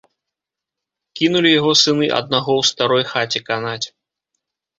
Кінулі яго сыны аднаго ў старой хаце канаць.